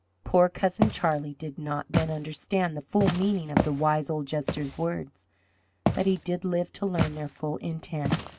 Poor "Cousin Charlie" did not then understand the full meaning of the wise old jester's words, but he did live to learn their full intent.